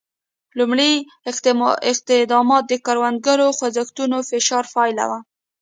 لومړي اقدامات د کروندګرو خوځښتونو فشار پایله وه.